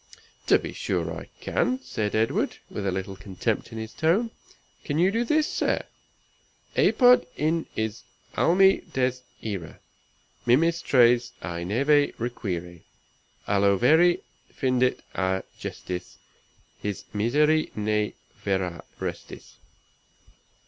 "To be sure I can," said Edward, with a little contempt in his tone. "Can you do this, sir? "Apud in is almi des ire, Mimis tres i neve require, Alo veri findit a gestis, His miseri ne ver at restis."